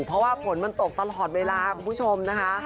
เพราะว่าฝนมันตกตลอดเวลาคุณผู้ชมนะคะ